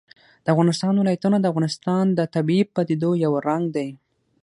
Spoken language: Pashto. د افغانستان ولايتونه د افغانستان د طبیعي پدیدو یو رنګ دی.